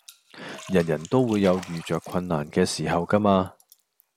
人人都會有遇著困難嘅時候㗎嘛